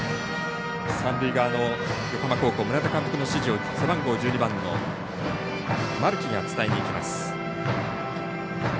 三塁側の横浜高校村田監督の指示を背番号１２番の丸木が伝えにいきます。